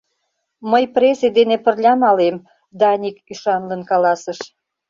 — Мый презе дене пырля малем, — Даник ӱшанлын каласыш.